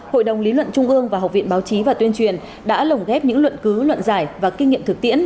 hội đồng lý luận trung ương và học viện báo chí và tuyên truyền đã lồng ghép những luận cứ luận giải và kinh nghiệm thực tiễn